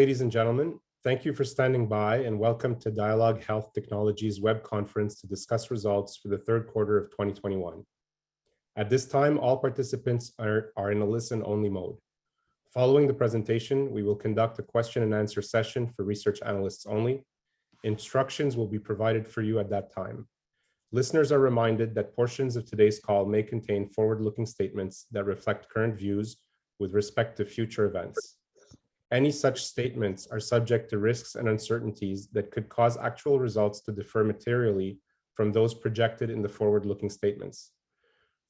Ladies and gentlemen, thank you for standing by, and welcome to Dialogue Health Technologies web conference to discuss results for the third quarter of 2021. At this time, all participants are in a listen-only mode. Following the presentation, we will conduct a question and answer session for research analysts only. Instructions will be provided for you at that time. Listeners are reminded that portions of today's call may contain forward-looking statements that reflect current views with respect to future events. Any such statements are subject to risks and uncertainties that could cause actual results to differ materially from those projected in the forward-looking statements.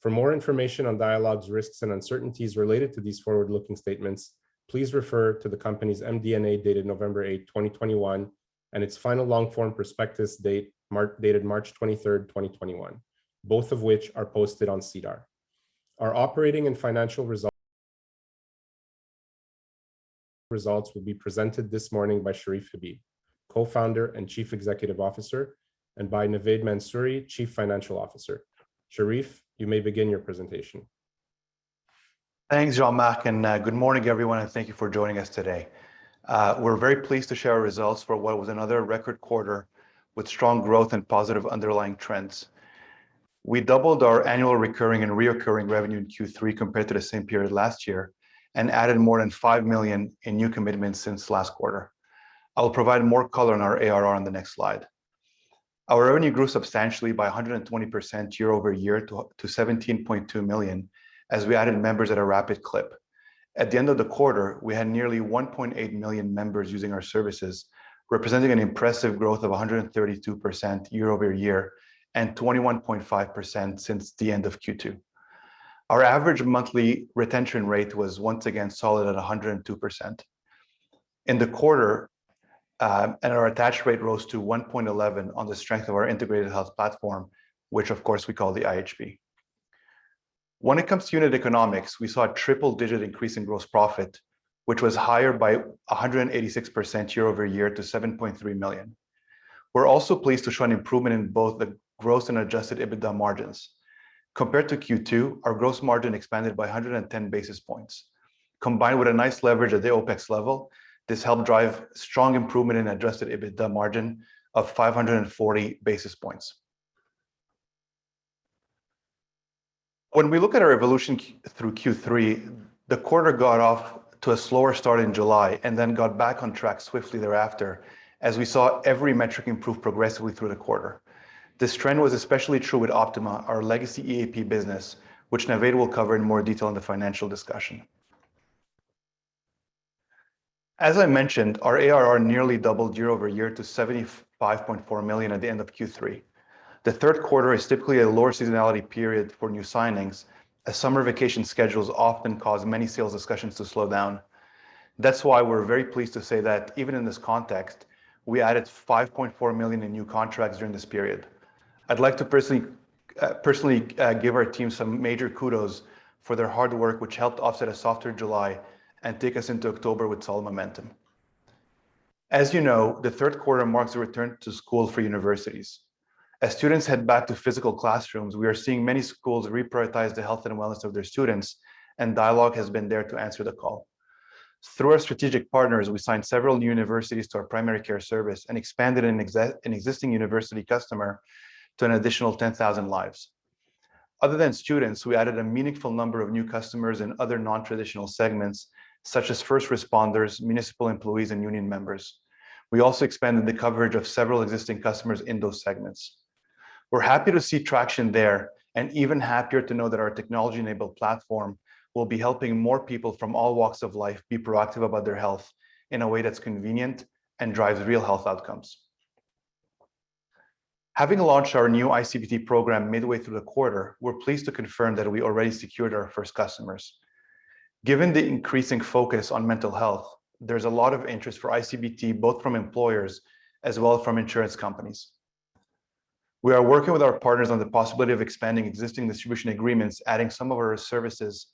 For more information on Dialogue's risks and uncertainties related to these forward-looking statements, please refer to the company's MD&A dated November 8, 2021, and its final long form prospectus dated March 23, 2021, both of which are posted on SEDAR. Our operating and financial results will be presented this morning by Cherif Habib, Co-founder and Chief Executive Officer, and by Navaid Mansuri, Chief Financial Officer. Cherif you may begin your presentation. Thanks, Jean-Marc, and good morning, everyone, and thank you for joining us today. We're very pleased to share our results for what was another record quarter with strong growth and positive underlying trends. We doubled our annual recurring and reoccurring revenue in Q3 compared to the same period last year and added more than five million in new commitments since last quarter. I will provide more color on our ARR on the next slide. Our revenue grew substantially by 120% year-over-year to 17.2 million as we added members at a rapid clip. At the end of the quarter, we had nearly 1.8 million members using our services, representing an impressive growth of 132% year-over-year and 21.5% since the end of Q2. Our average monthly retention rate was once again solid at 102%. In the quarter, and our attach rate rose to 1.11 on the strength of our integrated health platform, which of course we call the IHP. When it comes to unit economics, we saw a triple digit increase in gross profit, which was higher by 186% year-over-year to 7.3 million. We're also pleased to show an improvement in both the gross and adjusted EBITDA margins. Compared to Q2, our gross margin expanded by 110 basis points. Combined with a nice leverage at the OpEx level, this helped drive strong improvement in adjusted EBITDA margin of 540 basis points. When we look at our evolution through Q3, the quarter got off to a slower start in July and then got back on track swiftly thereafter as we saw every metric improve progressively through the quarter. This trend was especially true with Optima, our legacy EAP business, which Navaid will cover in more detail in the financial discussion. As I mentioned, our ARR nearly doubled year-over-year to 75.4 million at the end of Q3. The third quarter is typically a lower seasonality period for new signings, as summer vacation schedules often cause many sales discussions to slow down. That's why we're very pleased to say that even in this context, we added 5.4 million in new contracts during this period. I'd like to personally give our team some major kudos for their hard work, which helped offset a softer July and take us into October with solid momentum. As you know, the third quarter marks a return to school for universities. As students head back to physical classrooms, we are seeing many schools reprioritize the health and wellness of their students, and Dialogue has been there to answer the call. Through our strategic partners, we signed several new universities to our primary care service and expanded an existing university customer to an additional 10,000 lives. Other than students, we added a meaningful number of new customers in other non-traditional segments, such as first responders, municipal employees, and union members. We also expanded the coverage of several existing customers in those segments. We're happy to see traction there and even happier to know that our technology-enabled platform will be helping more people from all walks of life be proactive about their health in a way that's convenient and drives real health outcomes. Having launched our new ICBT program midway through the quarter, we're pleased to confirm that we already secured our first customers. Given the increasing focus on mental health, there's a lot of interest for ICBT, both from employers as well from insurance companies. We are working with our partners on the possibility of expanding existing distribution agreements, adding some of our services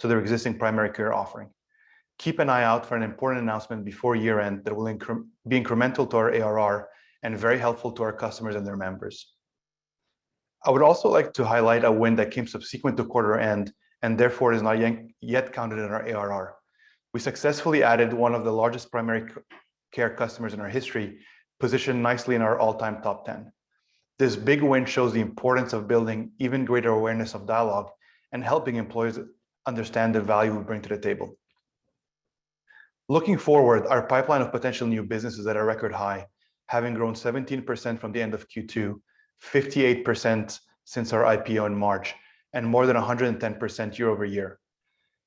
to their existing primary care offering. Keep an eye out for an important announcement before year-end that will be incremental to our ARR and very helpful to our customers and their members. I would also like to highlight a win that came subsequent to quarter end and therefore is not yet counted in our ARR. We successfully added one of the largest primary care customers in our history, positioned nicely in our all-time top ten. This big win shows the importance of building even greater awareness of Dialogue and helping employees understand the value we bring to the table. Looking forward, our pipeline of potential new business is at a record high, having grown 17% from the end of Q2, 58% since our IPO in March, and more than 110% year-over-year.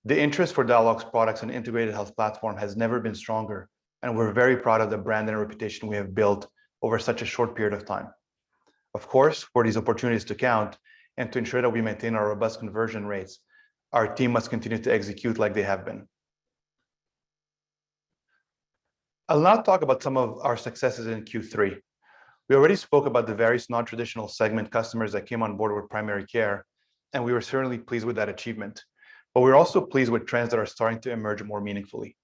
The interest for Dialogue's products and integrated health platform has never been stronger, and we're very proud of the brand and reputation we have built over such a short period of time. Of course, for these opportunities to count and to ensure that we maintain our robust conversion rates, our team must continue to execute like they have been. A lot of talk about some of our successes in Q3. We already spoke about the various non-traditional segment customers that came on board with primary care, and we were certainly pleased with that achievement. We're also pleased with trends that are starting to emerge more meaningfully.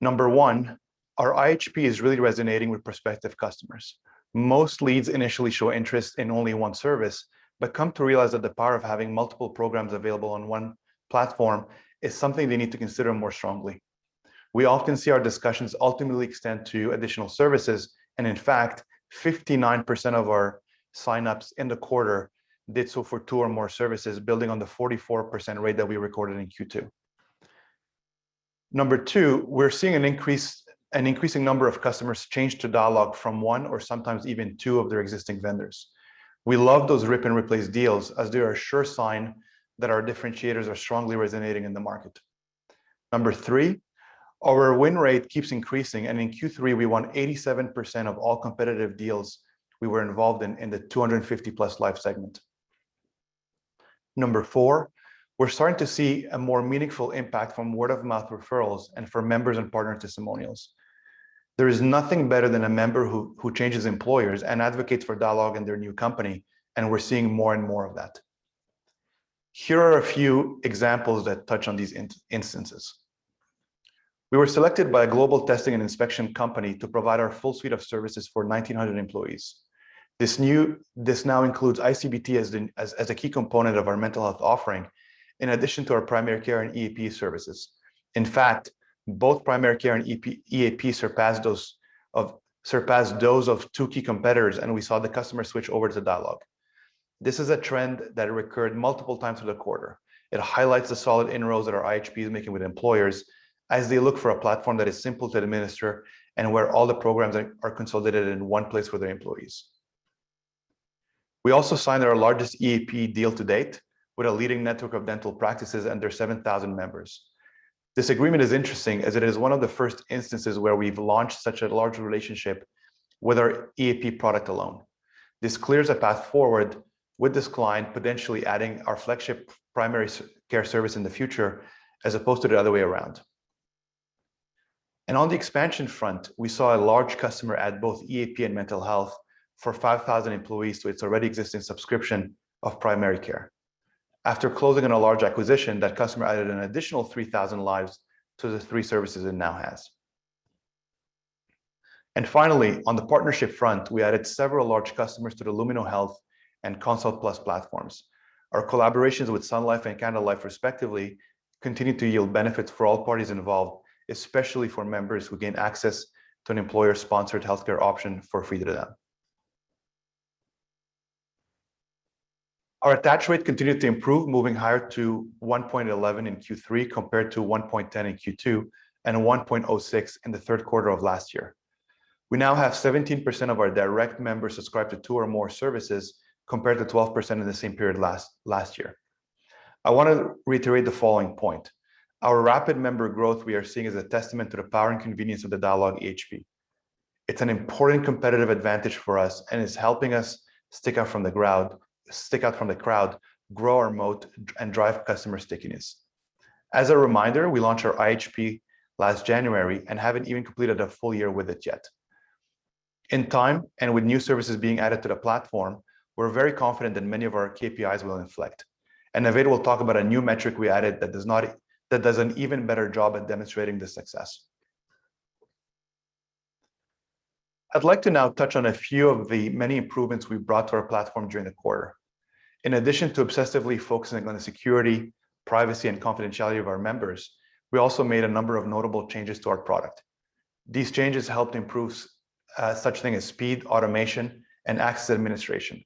Number one. Our IHP is really resonating with prospective customers. Most leads initially show interest in only one service, but come to realize that the power of having multiple programs available on one platform is something they need to consider more strongly. We often see our discussions ultimately extend to additional services, and in fact, 59% of our sign-ups in the quarter did so for two or more services, building on the 44% rate that we recorded in Q2. Number two, we're seeing an increasing number of customers change to Dialogue from one or sometimes even two of their existing vendors. We love those rip and replace deals as they are a sure sign that our differentiators are strongly resonating in the market. Number three, our win rate keeps increasing, and in Q3, we won 87% of all competitive deals we were involved in in the 250+ life segment. Number four, we're starting to see a more meaningful impact from word-of-mouth referrals and from members and partner testimonials. There is nothing better than a member who changes employers and advocates for Dialogue in their new company, and we're seeing more and more of that. Here are a few examples that touch on these instances. We were selected by a global testing and inspection company to provide our full suite of services for 1,900 employees. This now includes ICBT as a key component of our mental health offering, in addition to our primary care and EAP services. In fact, both primary care and EAP surpassed those of two key competitors, and we saw the customer switch over to Dialogue. This is a trend that occurred multiple times through the quarter. It highlights the solid inroads that our IHP is making with employers as they look for a platform that is simple to administer and where all the programs are consolidated in one place for their employees. We also signed our largest EAP deal to date with a leading network of dental practices and their 7,000 members. This agreement is interesting as it is one of the first instances where we've launched such a large relationship with our EAP product alone. This clears a path forward with this client potentially adding our flagship primary care service in the future, as opposed to the other way around. On the expansion front, we saw a large customer add both EAP and mental health for 5,000 employees to its already existing subscription of primary care. After closing on a large acquisition, that customer added an additional 3,000 lives to the three services it now has. Finally, on the partnership front, we added several large customers to the Lumino Health and Consult+ platforms. Our collaborations with Sun Life and Canada Life respectively continue to yield benefits for all parties involved, especially for members who gain access to an employer-sponsored healthcare option for free to them. Our attach rate continued to improve, moving higher to 1.11 in Q3 compared to 1.10 in Q2, and 1.06 in the third quarter of last year. We now have 17% of our direct members subscribed to two or more services, compared to 12% in the same period last year. I want to reiterate the following point. Our rapid member growth we are seeing is a testament to the power and convenience of the Dialogue IHP. It's an important competitive advantage for us, and it's helping us stick out from the crowd, grow our moat, and drive customer stickiness. As a reminder, we launched our IHP last January and haven't even completed a full year with it yet. In time, and with new services being added to the platform, we're very confident that many of our KPIs will inflect. Navaid will talk about a new metric we added that does an even better job at demonstrating this success. I'd like to now touch on a few of the many improvements we've brought to our platform during the quarter. In addition to obsessively focusing on the security, privacy, and confidentiality of our members, we also made a number of notable changes to our product. These changes helped improve such thing as speed, automation, and access administration.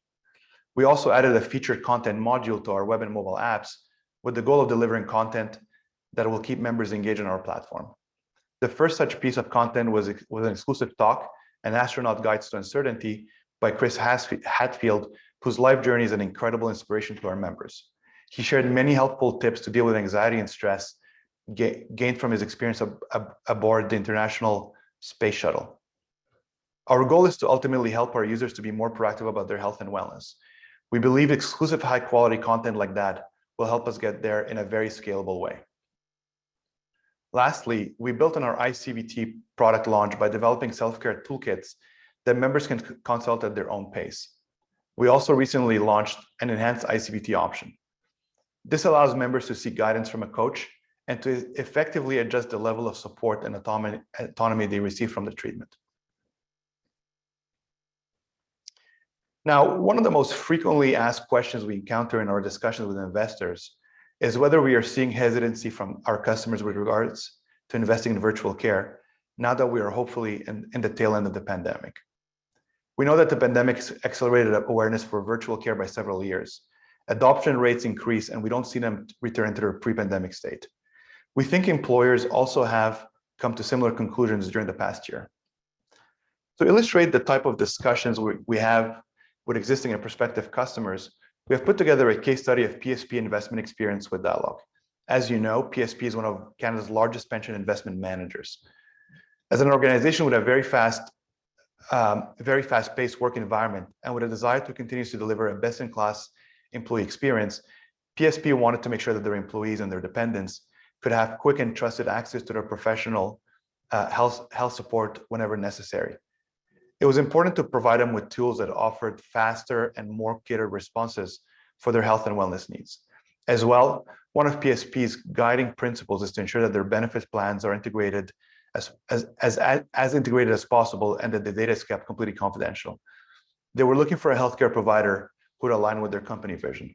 We also added a featured content module to our web and mobile apps with the goal of delivering content that will keep members engaged in our platform. The first such piece of content was an exclusive talk, An Astronaut's Guide to Life on Earth by Chris Hadfield, whose life journey is an incredible inspiration to our members. He shared many helpful tips to deal with anxiety and stress gained from his experience aboard the International Space Station. Our goal is to ultimately help our users to be more proactive about their health and wellness. We believe exclusive high-quality content like that will help us get there in a very scalable way. Lastly, we built on our ICBT product launch by developing self-care toolkits that members can consult at their own pace. We also recently launched an enhanced ICBT option. This allows members to seek guidance from a coach and to effectively adjust the level of support and autonomy they receive from the treatment. Now, one of the most frequently asked questions we encounter in our discussions with investors is whether we are seeing hesitancy from our customers with regards to investing in virtual care now that we are hopefully in the tail end of the pandemic. We know that the pandemic's accelerated awareness for virtual care by several years. Adoption rates increased, and we don't see them return to their pre-pandemic state. We think employers also have come to similar conclusions during the past year. To illustrate the type of discussions we have with existing and prospective customers, we have put together a case study of PSP Investments experience with Dialogue. As you know, PSP is one of Canada's largest pension investment managers. As an organization with a very fast, very fast-paced work environment and with a desire to continue to deliver a best-in-class employee experience, PSP wanted to make sure that their employees and their dependents could have quick and trusted access to their professional health support whenever necessary. It was important to provide them with tools that offered faster and more tailored responses for their health and wellness needs. One of PSP's guiding principles is to ensure that their benefits plans are as integrated as possible, and that the data is kept completely confidential. They were looking for a healthcare provider who would align with their company vision.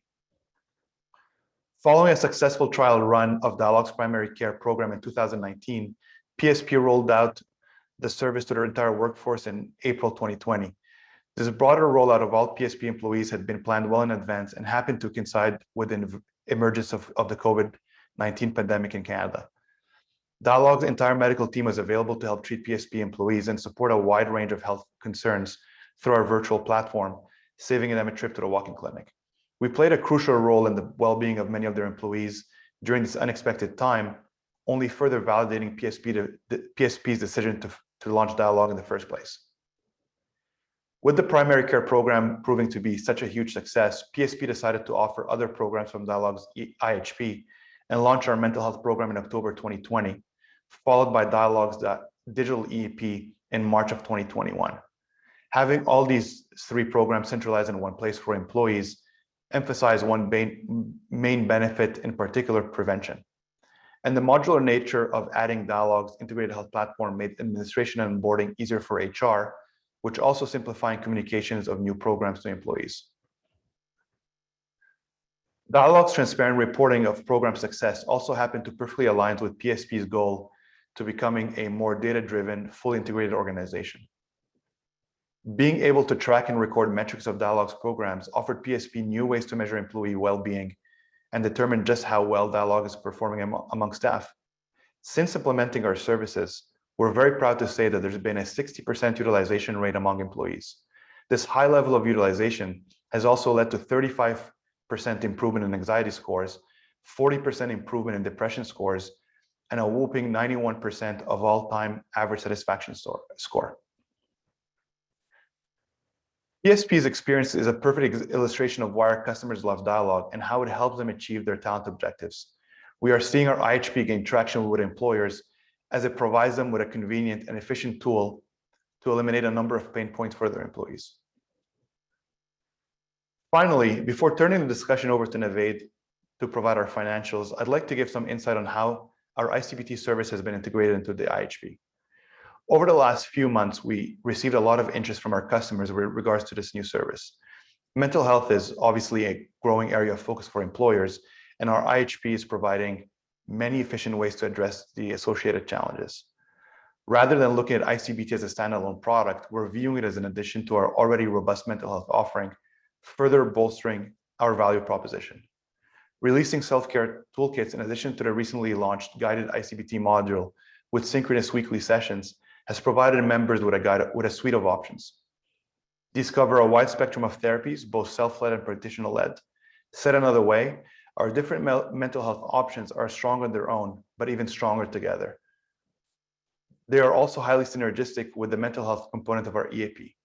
Following a successful trial run of Dialogue's primary care program in 2019, PSP rolled out the service to their entire workforce in April 2020. This broader rollout of all PSP employees had been planned well in advance and happened to coincide with an emergence of the COVID-19 pandemic in Canada. Dialogue's entire medical team was available to help treat PSP employees and support a wide range of health concerns through our virtual platform, saving them a trip to the walk-in clinic. We played a crucial role in the well-being of many of their employees during this unexpected time, only further validating PSP's decision to launch Dialogue in the first place. With the primary care program proving to be such a huge success, PSP decided to offer other programs from Dialogue's IHP and launch our mental health program in October 2020, followed by Dialogue's digital EAP in March 2021. Having all these three programs centralized in one place for employees emphasize one main benefit, in particular, prevention. The modular nature of adding Dialogue's integrated health platform made administration and onboarding easier for HR, which also simplifying communications of new programs to employees. Dialogue's transparent reporting of program success also happened to perfectly align with PSP's goal to becoming a more data-driven, fully integrated organization. Being able to track and record metrics of Dialogue's programs offered PSP new ways to measure employee well-being and determine just how well Dialogue is performing among staff. Since implementing our services, we're very proud to say that there's been a 60% utilization rate among employees. This high level of utilization has also led to 35% improvement in anxiety scores, 40% improvement in depression scores, and a whopping 91% of all-time average satisfaction score. PSP's experience is a perfect illustration of why our customers love Dialogue and how it helps them achieve their talent objectives. We are seeing our IHP gain traction with employers as it provides them with a convenient and efficient tool to eliminate a number of pain points for their employees. Finally, before turning the discussion over to Navaid to provide our financials, I'd like to give some insight on how our ICBT service has been integrated into the IHP. Over the last few months, we received a lot of interest from our customers with regard to this new service. Mental health is obviously a growing area of focus for employers, and our IHP is providing many efficient ways to address the associated challenges. Rather than looking at ICBT as a standalone product, we're viewing it as an addition to our already robust mental health offering, further bolstering our value proposition. Releasing self-care toolkits in addition to the recently launched guided ICBT module with synchronous weekly sessions has provided members with a suite of options. Discover a wide spectrum of therapies, both self-led and practitioner-led. Said another way, our different mental health options are strong on their own, but even stronger together. They are also highly synergistic with the mental health component of our EAP.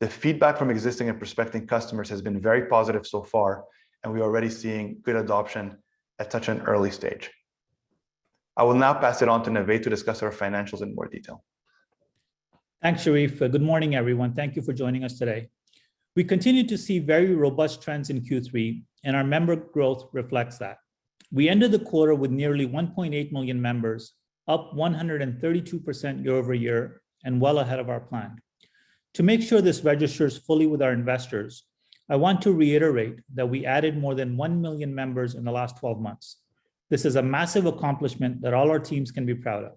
The feedback from existing and prospective customers has been very positive so far, and we are already seeing good adoption at such an early stage. I will now pass it on to Navaid to discuss our financials in more detail. Thanks, Sherif. Good morning, everyone. Thank you for joining us today. We continue to see very robust trends in Q3, and our member growth reflects that. We ended the quarter with nearly 1.8 million members, up 132% year-over-year and well ahead of our plan. To make sure this registers fully with our investors, I want to reiterate that we added more than 1 million members in the last 12 months. This is a massive accomplishment that all our teams can be proud of.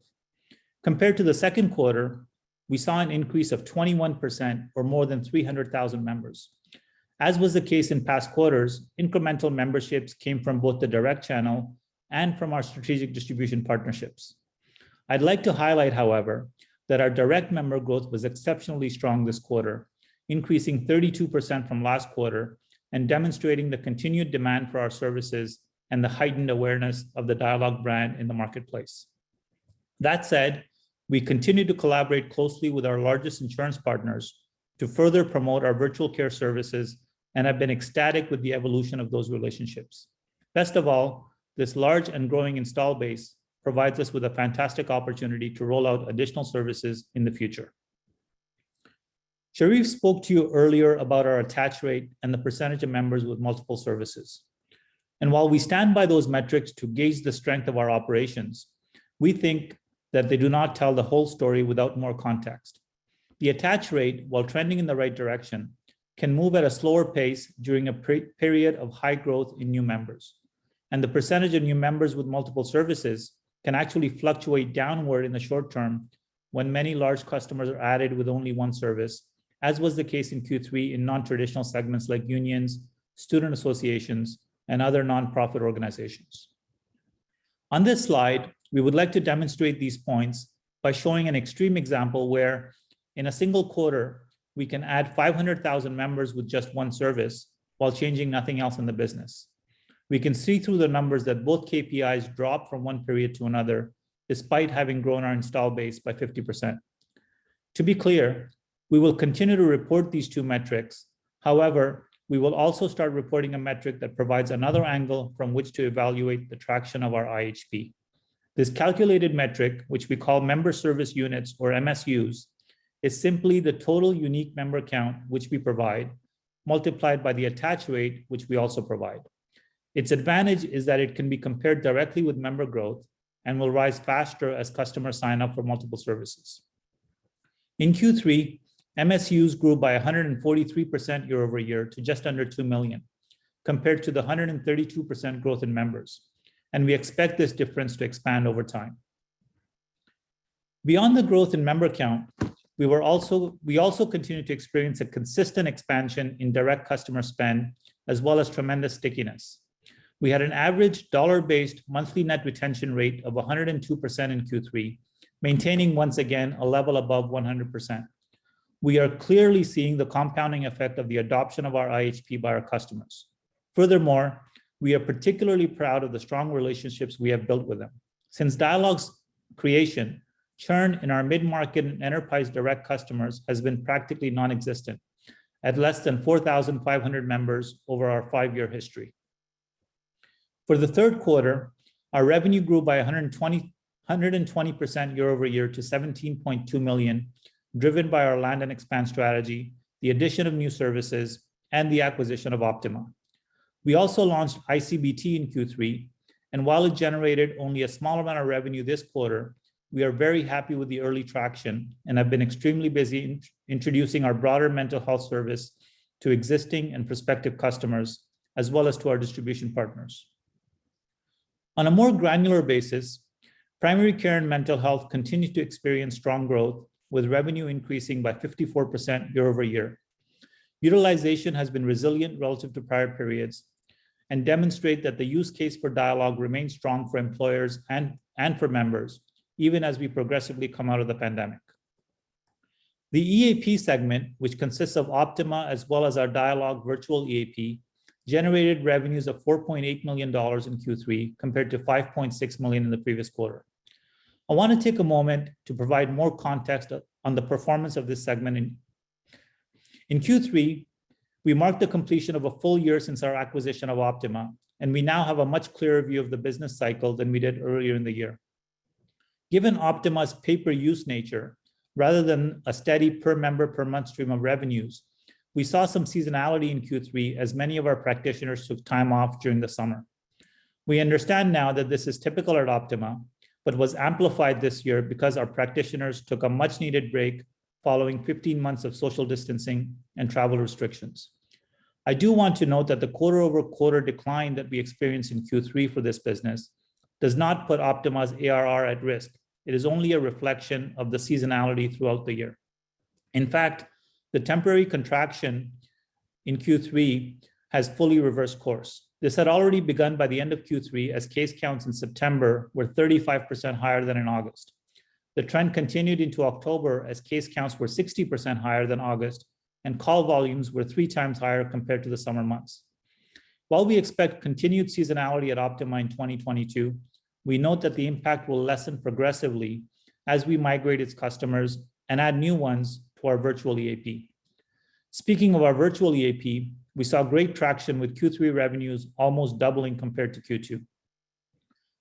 Compared to the second quarter, we saw an increase of 21% or more than 300,000 members. As was the case in past quarters, incremental memberships came from both the direct channel and from our strategic distribution partnerships. I'd like to highlight, however, that our direct member growth was exceptionally strong this quarter, increasing 32% from last quarter and demonstrating the continued demand for our services and the heightened awareness of the Dialogue brand in the marketplace. That said, we continue to collaborate closely with our largest insurance partners to further promote our virtual care services and have been ecstatic with the evolution of those relationships. Best of all, this large and growing install base provides us with a fantastic opportunity to roll out additional services in the future. Cherif spoke to you earlier about our attach rate and the percentage of members with multiple services. While we stand by those metrics to gauge the strength of our operations, we think that they do not tell the whole story without more context. The attach rate, while trending in the right direction, can move at a slower pace during a pre-period of high growth in new members. The percentage of new members with multiple services can actually fluctuate downward in the short term when many large customers are added with only one service, as was the case in Q3 in non-traditional segments like unions, student associations, and other nonprofit organizations. On this slide, we would like to demonstrate these points by showing an extreme example where in a single quarter, we can add 500,000 members with just one service while changing nothing else in the business. We can see through the numbers that both KPIs drop from one period to another despite having grown our install base by 50%. To be clear, we will continue to report these two metrics. However, we will also start reporting a metric that provides another angle from which to evaluate the traction of our IHP. This calculated metric, which we call member service units or MSUs, is simply the total unique member count which we provide multiplied by the attach rate, which we also provide. Its advantage is that it can be compared directly with member growth and will rise faster as customers sign up for multiple services. In Q3, MSUs grew by 143% year-over-year to just under 2 million, compared to the 132% growth in members. We expect this difference to expand over time. Beyond the growth in member count, we also continued to experience a consistent expansion in direct customer spend as well as tremendous stickiness. We had an average dollar-based monthly net retention rate of 102% in Q3, maintaining, once again, a level above 100%. We are clearly seeing the compounding effect of the adoption of our IHP by our customers. Furthermore, we are particularly proud of the strong relationships we have built with them. Since Dialogue's creation, churn in our mid-market and enterprise direct customers has been practically non-existent at less than 4,500 members over our five year history. For the third quarter, our revenue grew by 120% year-over-year to 17.2 million, driven by our land and expand strategy, the addition of new services, and the acquisition of Optima. We also launched ICBT in Q3, and while it generated only a small amount of revenue this quarter, we are very happy with the early traction and have been extremely busy in introducing our broader mental health service to existing and prospective customers, as well as to our distribution partners. On a more granular basis, primary care and mental health continued to experience strong growth, with revenue increasing by 54% year-over-year. Utilization has been resilient relative to prior periods and demonstrate that the use case for Dialogue remains strong for employers and for members, even as we progressively come out of the pandemic. The EAP segment, which consists of Optima as well as our Dialogue Virtual EAP, generated revenues of 4.8 million dollars in Q3 compared to 5.6 million in the previous quarter. I wanna take a moment to provide more context on the performance of this segment in Q3. We marked the completion of a full year since our acquisition of Optima, and we now have a much clearer view of the business cycle than we did earlier in the year. Given Optima's pay-per-use nature, rather than a steady per member per month stream of revenues, we saw some seasonality in Q3 as many of our practitioners took time off during the summer. We understand now that this is typical at Optima, but was amplified this year because our practitioners took a much-needed break following 15 months of social distancing and travel restrictions. I do want to note that the quarter-over-quarter decline that we experienced in Q3 for this business does not put Optima's ARR at risk. It is only a reflection of the seasonality throughout the year. In fact, the temporary contraction in Q3 has fully reversed course. This had already begun by the end of Q3, as case counts in September were 35% higher than in August. The trend continued into October, as case counts were 60% higher than August, and call volumes were three times higher compared to the summer months. While we expect continued seasonality at Optima in 2022, we note that the impact will lessen progressively as we migrate its customers and add new ones to our virtual EAP. Speaking of our virtual EAP, we saw great traction with Q3 revenues almost doubling compared to Q2.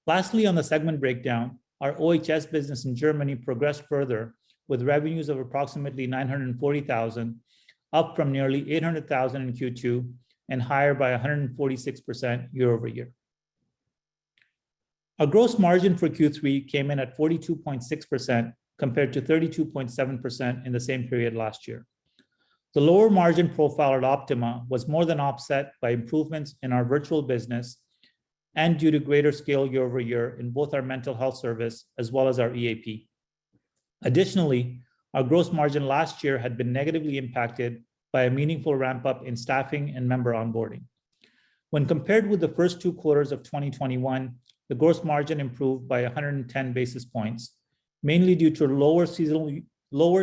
Lastly, on the segment breakdown, our OHS business in Germany progressed further with revenues of approximately 940 thousand, up from nearly 800 thousand in Q2 and higher by 146% year-over-year. Our gross margin for Q3 came in at 42.6% compared to 32.7% in the same period last year. The lower margin profile at Optima was more than offset by improvements in our virtual business and due to greater scale year-over-year in both our mental health service as well as our EAP. Additionally, our gross margin last year had been negatively impacted by a meaningful ramp-up in staffing and member onboarding. When compared with the first two quarters of 2021, the gross margin improved by 110 basis points, mainly due to lower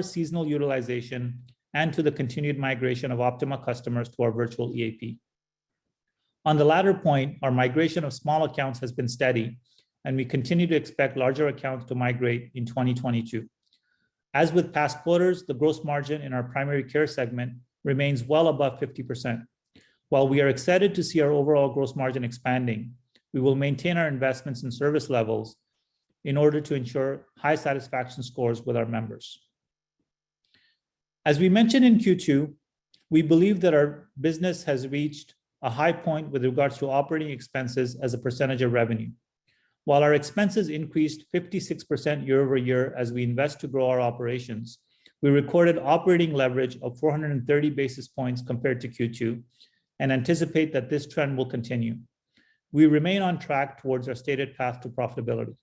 seasonal utilization and to the continued migration of Optima customers to our virtual EAP. On the latter point, our migration of small accounts has been steady, and we continue to expect larger accounts to migrate in 2022. As with past quarters, the gross margin in our primary care segment remains well above 50%. While we are excited to see our overall gross margin expanding, we will maintain our investments in service levels in order to ensure high satisfaction scores with our members. As we mentioned in Q2, we believe that our business has reached a high point with regards to operating expenses as a percentage of revenue. While our expenses increased 56% year-over-year as we invest to grow our operations, we recorded operating leverage of 430 basis points compared to Q2 and anticipate that this trend will continue. We remain on track towards our stated path to profitability.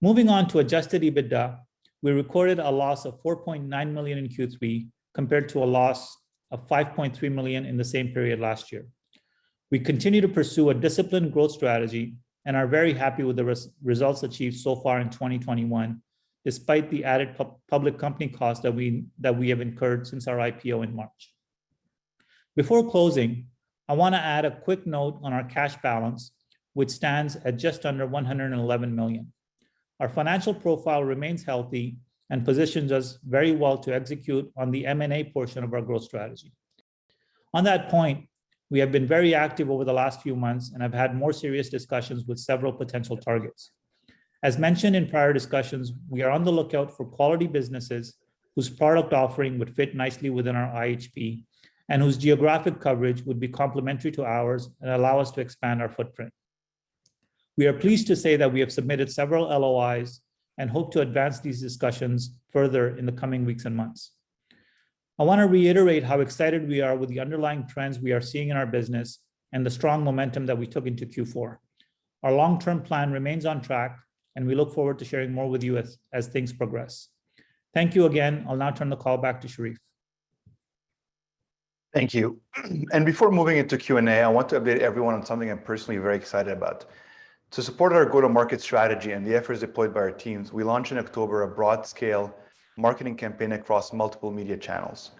Moving on to adjusted EBITDA, we recorded a loss of 4.9 million in Q3, compared to a loss of 5.3 million in the same period last year. We continue to pursue a disciplined growth strategy and are very happy with the results achieved so far in 2021, despite the added public company costs that we have incurred since our IPO in March. Before closing, I wanna add a quick note on our cash balance, which stands at just under 111 million. Our financial profile remains healthy and positions us very well to execute on the M&A portion of our growth strategy. On that point, we have been very active over the last few months and have had more serious discussions with several potential targets. As mentioned in prior discussions, we are on the lookout for quality businesses whose product offering would fit nicely within our IHP and whose geographic coverage would be complementary to ours and allow us to expand our footprint. We are pleased to say that we have submitted several LOIs and hope to advance these discussions further in the coming weeks and months. I want to reiterate how excited we are with the underlying trends we are seeing in our business and the strong momentum that we took into Q4. Our long-term plan remains on track, and we look forward to sharing more with you as things progress. Thank you again. I'll now turn the call back to Cherif. Thank you. Before moving into Q&A, I want to update everyone on something I'm personally very excited about. To support our go-to-market strategy and the efforts deployed by our teams, we launched in October a broad scale marketing campaign across multiple media channels.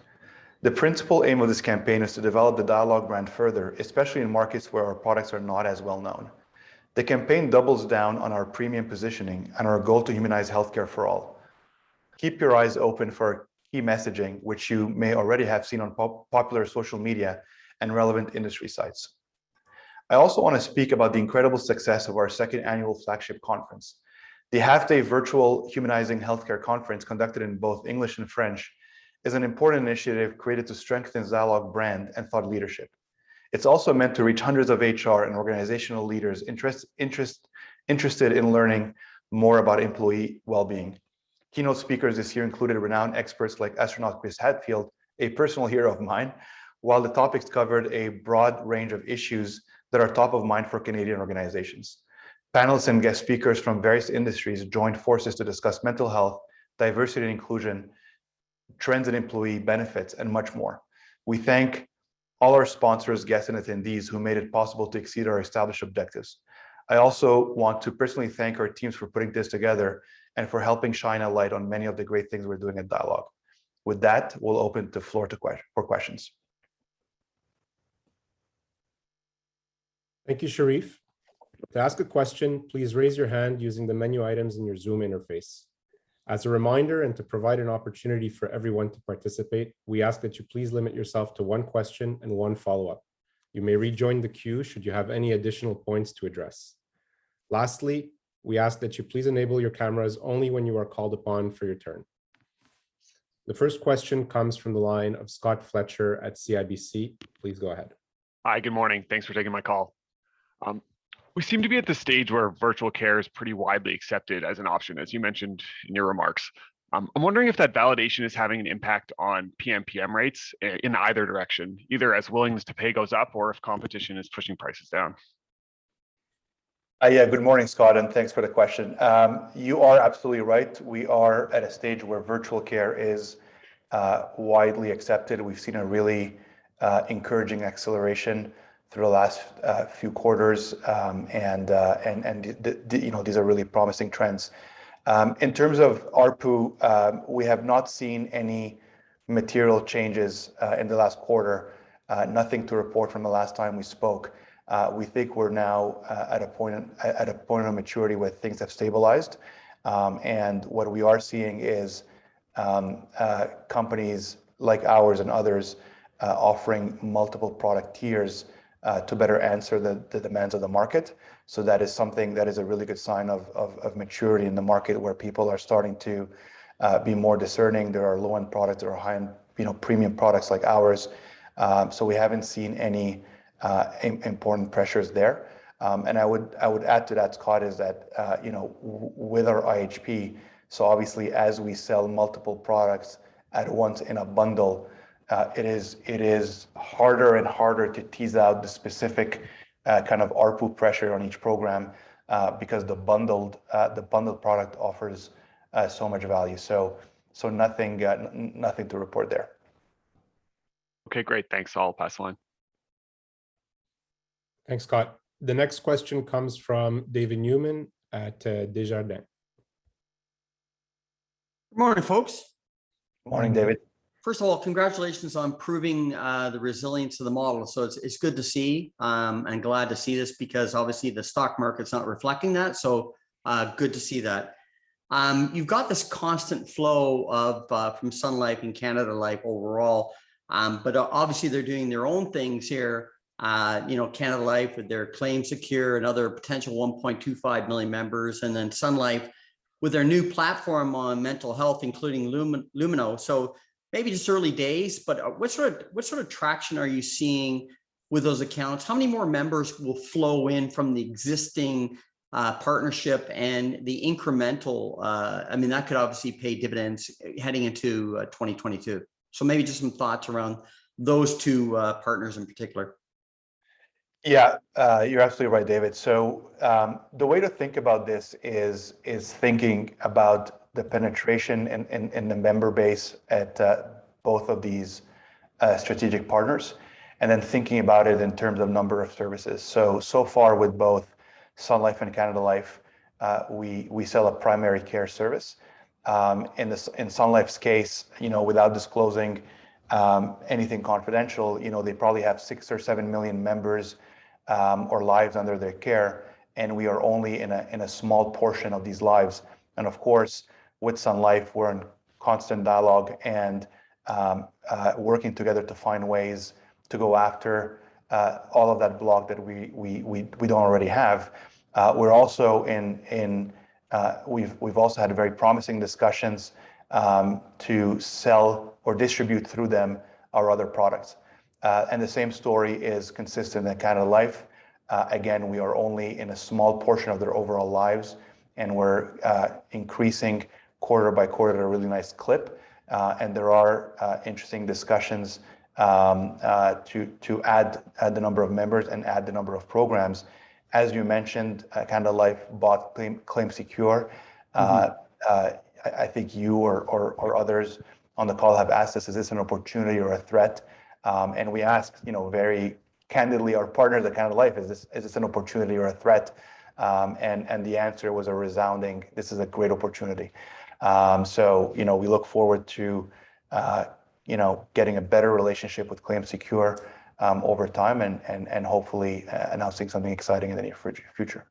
The principal aim of this campaign is to develop the Dialogue brand further, especially in markets where our products are not as well known. The campaign doubles down on our premium positioning and our goal to humanize healthcare for all. Keep your eyes open for key messaging, which you may already have seen on popular social media and relevant industry sites. I also want to speak about the incredible success of our second annual flagship conference. The half-day virtual Humanizing Healthcare conference, conducted in both English and French, is an important initiative created to strengthen Dialogue brand and thought leadership. It's also meant to reach hundreds of HR and organizational leaders interested in learning more about employee well-being. Keynote speakers this year included renowned experts like Astronaut Chris Hadfield, a personal hero of mine, while the topics covered a broad range of issues that are top of mind for Canadian organizations. Panels and guest speakers from various industries joined forces to discuss mental health, diversity and inclusion, trends and employee benefits, and much more. We thank all our sponsors, guests, and attendees who made it possible to exceed our established objectives. I also want to personally thank our teams for putting this together and for helping shine a light on many of the great things we're doing at Dialogue. With that, we'll open the floor for questions. Thank you, Cherif. To ask a question, please raise your hand using the menu items in your Zoom interface. As a reminder and to provide an opportunity for everyone to participate, we ask that you please limit yourself to one question and one follow-up. You may rejoin the queue should you have any additional points to address. Lastly, we ask that you please enable your cameras only when you are called upon for your turn. The first question comes from the line of Scott Fletcher at CIBC Capital Markets Capital Markets. Please go ahead. Hi. Good morning. Thanks for taking my call. We seem to be at the stage where virtual care is pretty widely accepted as an option, as you mentioned in your remarks. I'm wondering if that validation is having an impact on PMPM rates in either direction, either as willingness to pay goes up or if competition is pushing prices down. Yeah, good morning, Scott, and thanks for the question. You are absolutely right. We are at a stage where virtual care is widely accepted. We've seen a really encouraging acceleration through the last few quarters. You know, these are really promising trends. In terms of ARPU, we have not seen any material changes in the last quarter. Nothing to report from the last time we spoke. We think we're now at a point of maturity where things have stabilized. What we are seeing is companies like ours and others offering multiple product tiers to better answer the demands of the market. That is something that is a really good sign of maturity in the market, where people are starting to be more discerning. There are low-end products or high-end, you know, premium products like ours. We haven't seen any important pressures there. I would add to that, Scott, that you know, with our IHP, obviously, as we sell multiple products at once in a bundle, it is harder and harder to tease out the specific kind of ARPU pressure on each program, because the bundled product offers so much value. Nothing to report there. Okay, great. Thanks. I'll pass the line. Thanks, Scott. The next question comes from David Newman at Desjardins Capital Markets Good morning, folks. Morning, David. First of all, congratulations on proving the resilience of the model. It's good to see and glad to see this because obviously the stock market's not reflecting that. Good to see that. You've got this constant flow of from Sun Life and Canada Life overall. But obviously they're doing their own things here. You know, Canada Life with their ClaimSecure and other potential 1.25 million members, and then Sun Life with their new platform on mental health, including Lumino. Maybe just early days, but what sort of traction are you seeing with those accounts? How many more members will flow in from the existing partnership and the incremental. I mean, that could obviously pay dividends heading into 2022. Maybe just some thoughts around those two partners in particular. Yeah. You're absolutely right, David. The way to think about this is thinking about the penetration and the member base at both of these strategic partners and then thinking about it in terms of number of services. So far with both Sun Life and Canada Life, we sell a primary care service. In Sun Life's case, you know, without disclosing anything confidential, you know, they probably have six or seven million members or lives under their care, and we are only in a small portion of these lives. Of course, with Sun Life, we're in constant dialogue and working together to find ways to go after all of that block that we don't already have. We're also in... We've also had very promising discussions to sell or distribute through them our other products. The same story is consistent at Canada Life. Again, we are only in a small portion of their overall lives, and we're increasing quarter by quarter at a really nice clip. There are interesting discussions to add the number of members and add the number of programs. As you mentioned, Canada Life bought ClaimSecure. Mm-hmm. I think you or others on the call have asked us, "Is this an opportunity or a threat?" We asked, you know, very candidly our partners at Canada Life, "Is this an opportunity or a threat?" The answer was a resounding, "This is a great opportunity." You know, we look forward to, you know, getting a better relationship with ClaimSecure over time and hopefully announcing something exciting in the near future.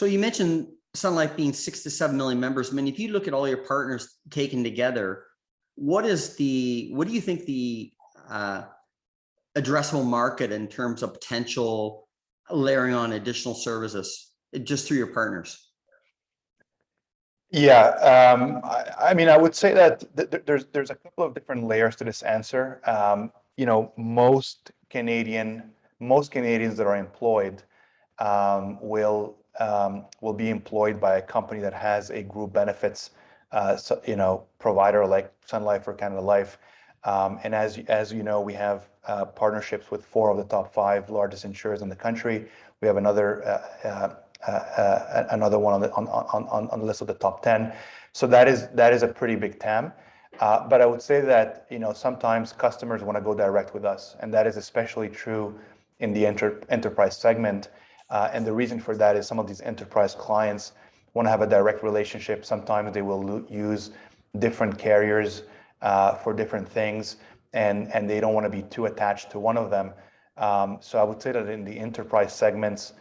You mentioned Sun Life being six-seven million members. I mean, if you look at all your partners taken together, what do you think the addressable market in terms of potential layering on additional services just through your partners? I mean, I would say that there's a couple of different layers to this answer. You know, most Canadians that are employed will be employed by a company that has a group benefits, you know, provider like Sun Life or Canada Life. As you know, we have partnerships with four of the top five largest insurers in the country. We have another one on the list of the top 10. That is a pretty big TAM. I would say that, you know, sometimes customers wanna go direct with us, and that is especially true in the enterprise segment. The reason for that is some of these enterprise clients wanna have a direct relationship. Sometimes they will use different carriers, for different things, and they don't wanna be too attached to one of them. I would say that in the enterprise segments,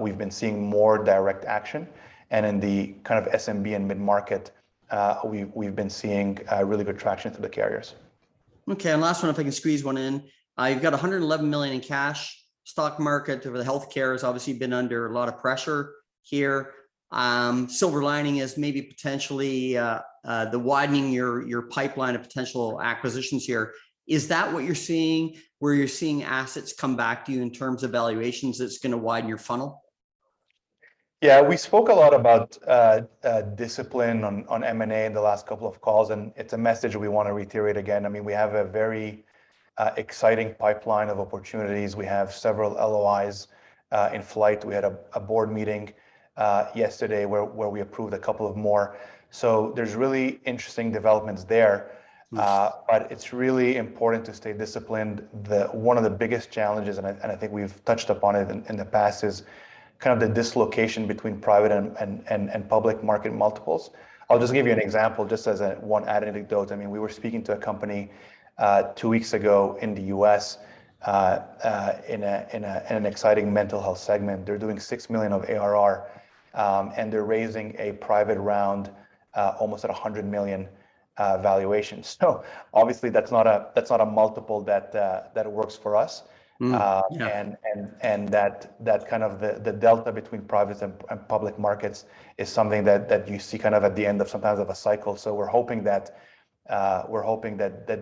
we've been seeing more direct action, and in the kind of SMB and mid-market, we've been seeing really good traction through the carriers. Okay. Last one, if I can squeeze one in. You've got 111 million in cash. Stock market or the healthcare has obviously been under a lot of pressure here. Silver lining is maybe potentially the widening your pipeline of potential acquisitions here. Is that what you're seeing, where you're seeing assets come back to you in terms of valuations that's gonna widen your funnel? Yeah. We spoke a lot about discipline on M&A in the last couple of calls, and it's a message we wanna reiterate again. I mean, we have a very exciting pipeline of opportunities. We have several LOIs in flight. We had a board meeting yesterday where we approved a couple of more. So there's really interesting developments there. Nice. It's really important to stay disciplined. One of the biggest challenges, and I think we've touched upon it in the past, is kind of the dislocation between private and public market multiples. I'll just give you an example, just as a one added anecdote. I mean, we were speaking to a company two weeks ago in the U.S., in an exciting mental health segment. They're doing six million of ARR, and they're raising a private round almost at 100 million valuation. Obviously, that's not a multiple that works for us. Mm. Yeah. That kind of the delta between private and public markets is something that you see kind of at the end of sometimes of a cycle. We're hoping that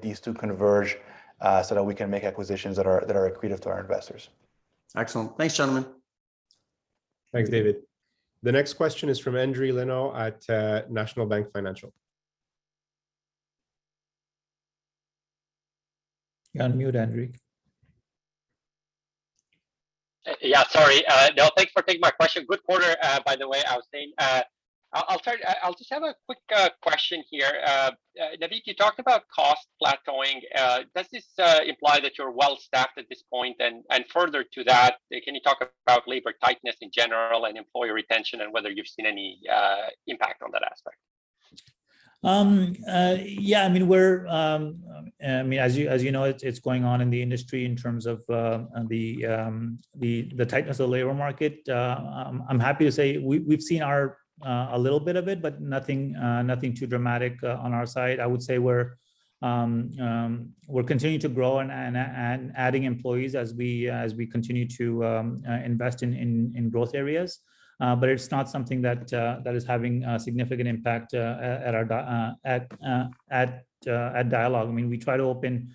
these two converge so that we can make acquisitions that are accretive to our investors. Excellent. Thanks, gentlemen. Thank you. Thanks, David. The next question is from Richard Tse at National Bank Financial. You're on mute, Richard. Yeah, sorry. No, thanks for taking my question. Good quarter, by the way, I would say. I'll start. I'll just have a quick question here. Navit, you talked about cost plateauing. Does this imply that you're well-staffed at this point? Further to that, can you talk about labor tightness in general and employee retention and whether you've seen any impact on that aspect? Yeah. I mean, we're, I mean, as you know, it's going on in the industry in terms of the tightness of the labor market. I'm happy to say we've seen a little bit of it, but nothing too dramatic on our side. I would say we're continuing to grow and adding employees as we continue to invest in growth areas. It's not something that is having a significant impact at Dialogue. I mean, we try to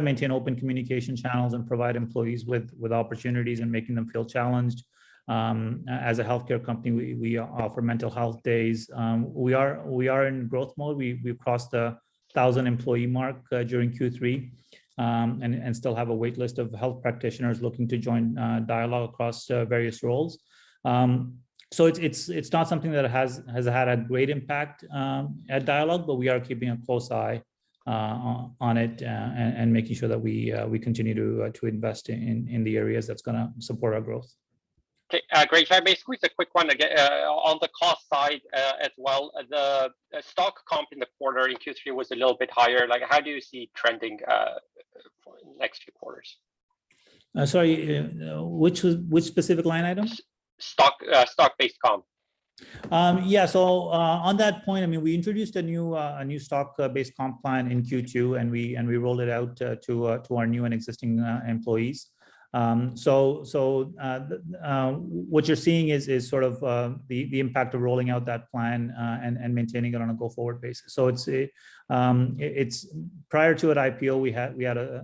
maintain open communication channels and provide employees with opportunities and making them feel challenged. As a healthcare company, we offer mental health days. We are in growth mode. We've crossed the 1,000 employee mark during Q3, and still have a wait list of health practitioners looking to join Dialogue across various roles. It's not something that has had a great impact at Dialogue, but we are keeping a close eye. on it and making sure that we continue to invest in the areas that's gonna support our growth. Okay. Great. Basically, it's a quick one. Again, on the cost side, as well, the stock comp in the quarter in Q3 was a little bit higher. Like, how do you see trending for next few quarters? Which specific line item? Stock-based comp. Yeah. On that point, I mean, we introduced a new stock-based comp plan in Q2, and we rolled it out to our new and existing employees. What you're seeing is sort of the impact of rolling out that plan and maintaining it on a go-forward basis. Prior to IPO,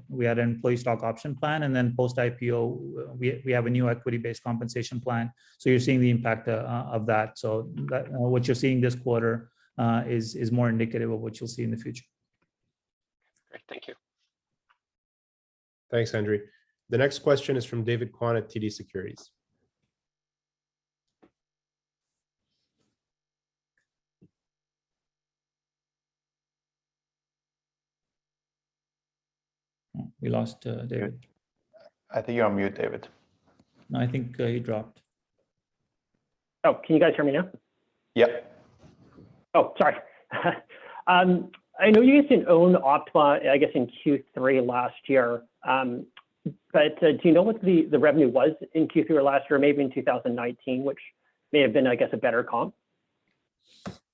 we had an employee stock option plan, and then post-IPO, we have a new equity-based compensation plan. You're seeing the impact of that. What you're seeing this quarter is more indicative of what you'll see in the future. Great. Thank you. Thanks, Henry. The next question is from David Kwan at TD Securities. We lost David. I think you're on mute, David. No, I think, he dropped. Oh, can you guys hear me now? Yep. I know you guys didn't own Optima, I guess, in Q3 last year. Do you know what the revenue was in Q3 last year, maybe in 2019, which may have been, I guess, a better comp?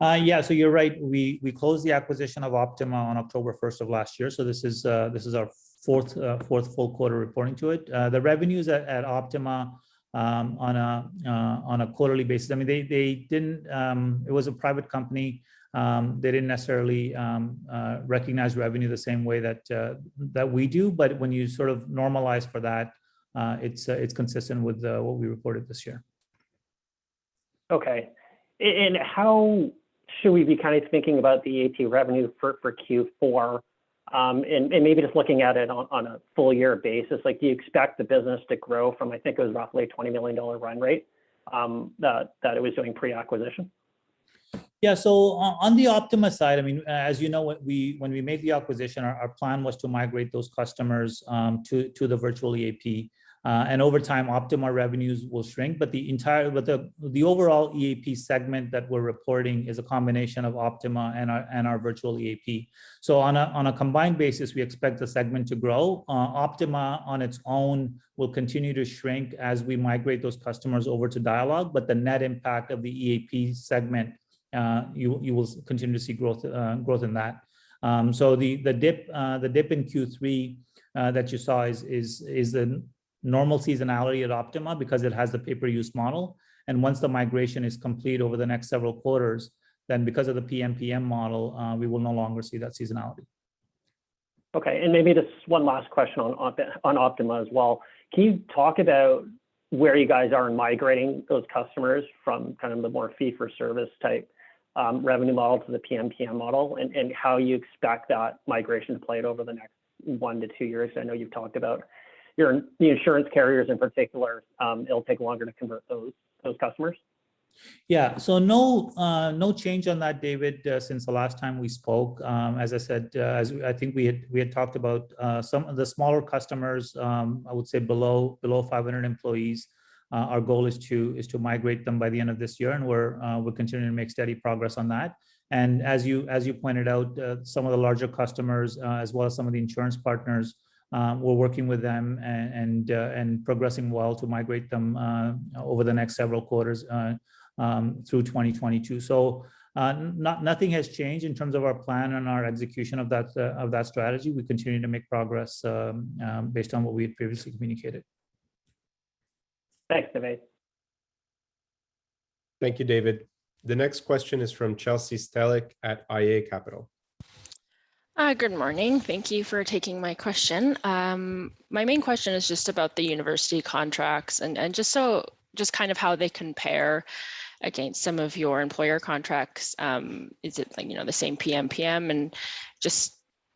Yeah. You're right. We closed the acquisition of Optima on October 1st of last year. This is our fourth full quarter reporting to it. The revenues at Optima on a quarterly basis, I mean, they didn't recognize revenue the same way that we do. When you sort of normalize for that, it's consistent with what we reported this year. Okay. How should we be kind of thinking about the EAP revenue for Q4? Maybe just looking at it on a full year basis. Like, do you expect the business to grow from, I think, it was roughly a 20 million dollar run rate that it was doing pre-acquisition? On the Optima side, I mean, as you know, when we made the acquisition, our plan was to migrate those customers to the virtual EAP. Over time, Optima revenues will shrink. The overall EAP segment that we're reporting is a combination of Optima and our virtual EAP. On a combined basis, we expect the segment to grow. Optima on its own will continue to shrink as we migrate those customers over to Dialogue, but the net impact of the EAP segment, you will continue to see growth in that. The dip in Q3 that you saw is the normal seasonality at Optima because it has the pay-per-use model. Once the migration is complete over the next several quarters, then because of the PMPM model, we will no longer see that seasonality. Okay. Maybe just one last question on Optima as well. Can you talk about where you guys are in migrating those customers from kind of the more fee-for-service type revenue model to the PMPM model and how you expect that migration to play out over the next one-two years? I know you've talked about the insurance carriers in particular. It'll take longer to convert those customers. Yeah. No change on that, David, since the last time we spoke. As I said, I think we had talked about some of the smaller customers. I would say below 500 employees, our goal is to migrate them by the end of this year, and we're continuing to make steady progress on that. As you pointed out, some of the larger customers, as well as some of the insurance partners, we're working with them and progressing well to migrate them over the next several quarters through 2022. Nothing has changed in terms of our plan and our execution of that strategy. We're continuing to make progress, based on what we had previously communicated. Thanks, Navaid. Thank you, David. The next question is from Chelsea Stellick at iA Capital Markets. Good morning. Thank you for taking my question. My main question is just about the university contracts and just kind of how they compare against some of your employer contracts. Is it like, you know, the same PMPM?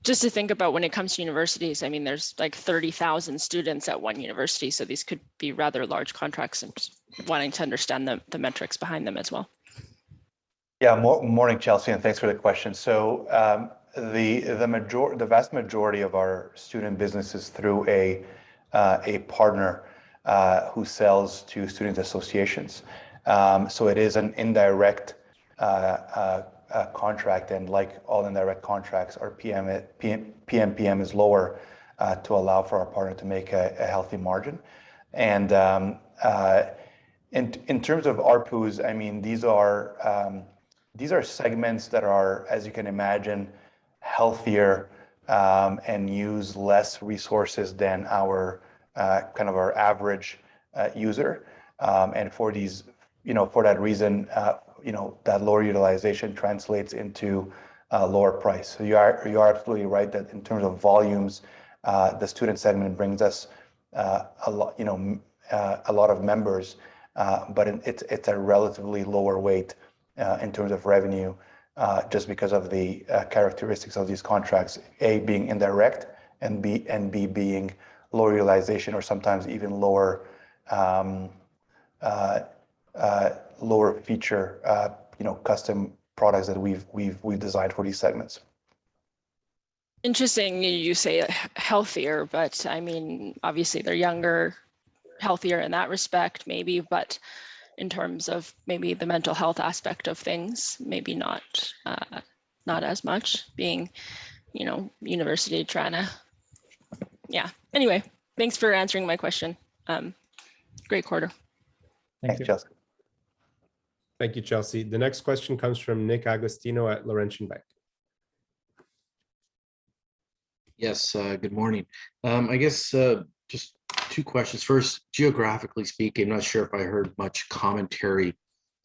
Just to think about when it comes to universities, I mean, there's like 30,000 students at one university, so these could be rather large contracts, and just wanting to understand the metrics behind them as well. Morning, Chelsea, and thanks for the question. The vast majority of our student business is through a partner who sells to student associations. It is an indirect contract, and like all indirect contracts, our PMPM is lower to allow for our partner to make a healthy margin. In terms of ARPUs, I mean, these are segments that are, as you can imagine, healthier and use less resources than our average user. For these, you know, for that reason, you know, that lower utilization translates into a lower price. You are absolutely right that in terms of volumes, the student segment brings us a lot of members. But it's a relatively lower weight in terms of revenue just because of the characteristics of these contracts, A, being indirect and B, being low realization or sometimes even lower-fee custom products that we've designed for these segments, you know. Interesting you say healthier, but I mean, obviously they're younger, healthier in that respect maybe, but in terms of maybe the mental health aspect of things, maybe not as much. Anyway, thanks for answering my question. Great quarter. Thank you. Thanks, Chelsea. Thank you, Chelsea. The next question comes from Nick Agostino at Laurentian Bank Securities Yes. Good morning. I guess just two questions. First, geographically speaking, I'm not sure if I heard much commentary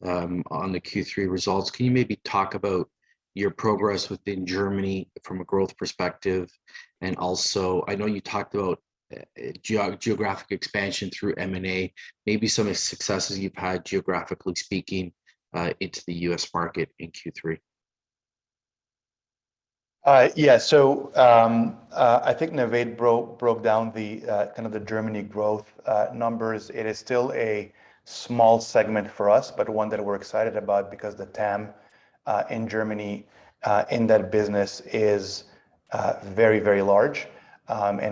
on the Q3 results. Can you maybe talk about your progress within Germany from a growth perspective? I know you talked about geographic expansion through M&A. Maybe some of the successes you've had geographically speaking into the U.S. market in Q3. Yeah. I think Navaid broke down the kind of the Germany growth numbers. It is still a small segment for us, but one that we're excited about because the TAM in Germany in that business is very large.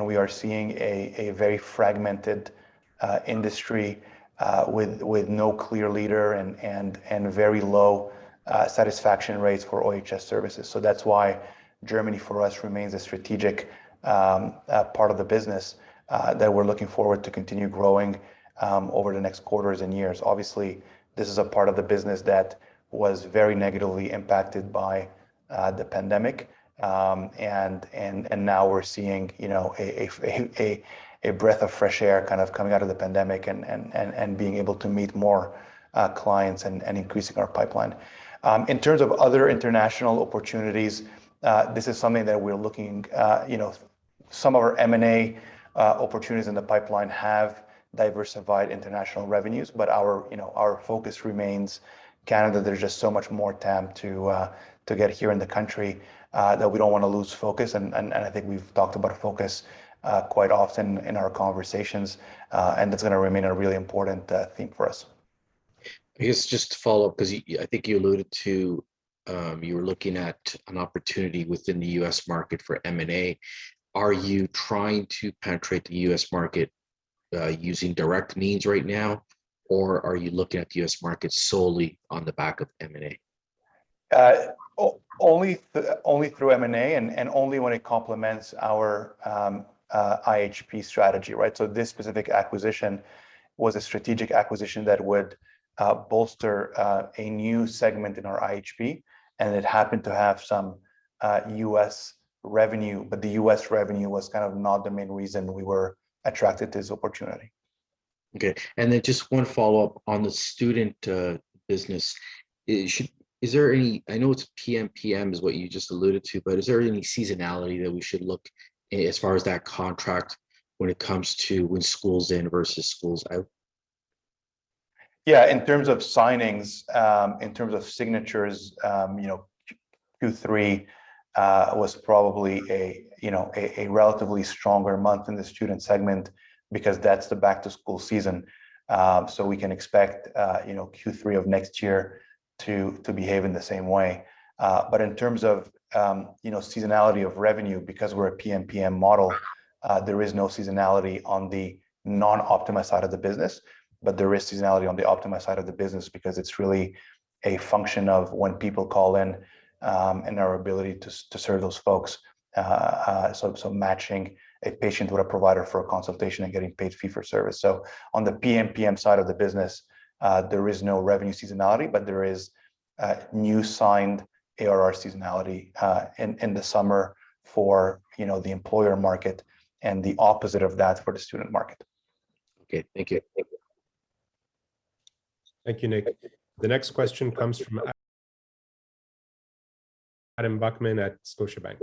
We are seeing a very fragmented industry with no clear leader and very low satisfaction rates for OHS services. That's why Germany for us remains a strategic part of the business that we're looking forward to continue growing over the next quarters and years. Obviously, this is a part of the business that was very negatively impacted by the pandemic. Now we're seeing, you know, a breath of fresh air kind of coming out of the pandemic and being able to meet more clients and increasing our pipeline. In terms of other international opportunities, this is something that we're looking, you know, some of our M&A opportunities in the pipeline have diversified international revenues, but our, you know, our focus remains Canada. There's just so much more TAM to get here in the country that we don't wanna lose focus. I think we've talked about our focus quite often in our conversations and that's gonna remain a really important theme for us. I guess just to follow up, 'cause I think you alluded to, you were looking at an opportunity within the U.S. market for M&A. Are you trying to penetrate the U.S. market, using direct means right now, or are you looking at the U.S. market solely on the back of M&A? Only through M&A and only when it complements our IHP strategy, right? This specific acquisition was a strategic acquisition that would bolster a new segment in our IHP, and it happened to have some U.S. revenue, but the U.S. revenue was kind of not the main reason we were attracted to this opportunity. Okay. Just one follow-up on the student business. I know it's PMPM is what you just alluded to, but is there any seasonality that we should look as far as that contract when it comes to when school's in versus school's out? Yeah. In terms of signings, you know, Q3 was probably a relatively stronger month in the student segment because that's the back to school season. So we can expect, you know, Q3 of next year to behave in the same way. But in terms of, you know, seasonality of revenue, because we're a PMPM model, there is no seasonality on the non-Optima side of the business. But there is seasonality on the Optima side of the business because it's really a function of when people call in and our ability to serve those folks, so matching a patient with a provider for a consultation and getting paid fee for service. On the PMPM side of the business, there is no revenue seasonality, but there is new signed ARR seasonality in the summer for, you know, the employer market and the opposite of that for the student market. Okay. Thank you. Thank you. Thank you, Nick. The next question comes from Adam Buckham at Scotiabank.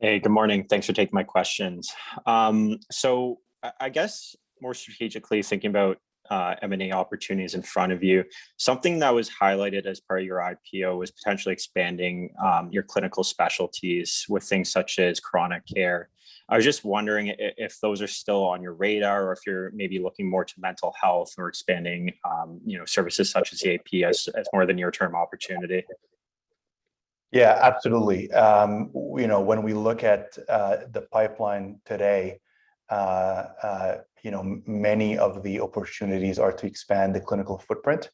Hey, good morning. Thanks for taking my questions. I guess more strategically thinking about M&A opportunities in front of you, something that was highlighted as part of your IPO was potentially expanding your clinical specialties with things such as chronic care. I was just wondering if those are still on your radar or if you're maybe looking more to mental health or expanding you know services such as EAP as more of the near term opportunity. Yeah, absolutely. You know, when we look at the pipeline today, you know, many of the opportunities are to expand the clinical footprint.